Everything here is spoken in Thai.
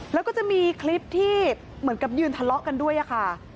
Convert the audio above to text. แล้วก็จะมีคลิปที่เหมือนกับยืนทะเลาะกันด้วยค่ะ